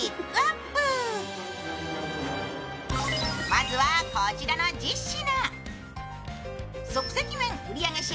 まずはこちらの１０品。